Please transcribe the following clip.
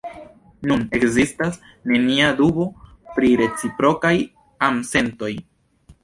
Nun ekzistas nenia dubo pri reciprokaj amsentoj.